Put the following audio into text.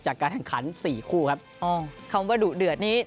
จากการแข่งขันสี่คู่ครับอ๋อคำว่าดุเดือดนี้